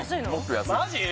マジ？